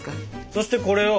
そしてこれを。